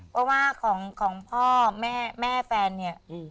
เพราะว่าของพ่อแม่แม่แฟนเนี่ย